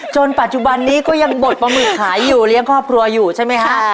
ปัจจุบันนี้ก็ยังบดปลาหมึกขายอยู่เลี้ยงครอบครัวอยู่ใช่ไหมฮะ